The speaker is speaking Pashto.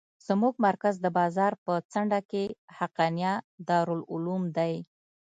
زموږ مرکز د بازار په څنډه کښې حقانيه دارالعلوم دى.